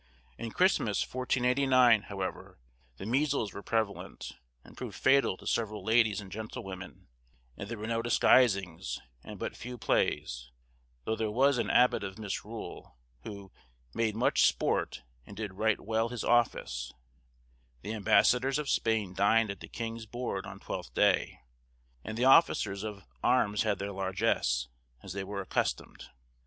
In Christmas, 1489, however, the measles were prevalent, and proved fatal to several ladies and gentlewomen, and there were no disguisings, and but few plays, though there was an abbot of Misrule, who "made much sport and did right well his office;" the ambassadors of Spain dined at the king's board on Twelfth Day, and the officers of arms had their largess, as they were accustomed.